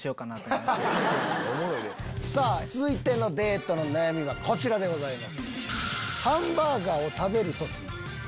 続いてのデートの悩みはこちらでございます。